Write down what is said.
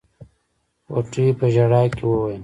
غوټۍ په ژړا کې وويل.